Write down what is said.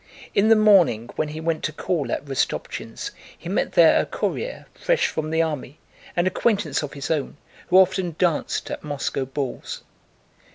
In the morning, when he went to call at Rostopchín's he met there a courier fresh from the army, an acquaintance of his own, who often danced at Moscow balls.